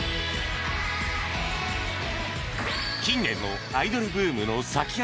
近年のアイドルブームの先駆け